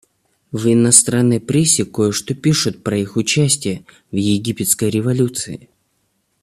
В иностранной прессе кое-что пишут про их участие в египетской революции.